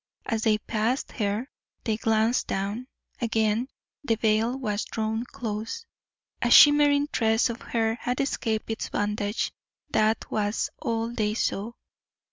As they passed her they glanced down. Again the veil was drawn close. A shimmering tress of hair had escaped its bondage; that was all they saw.